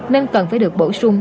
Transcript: nên cần phải được bổ sung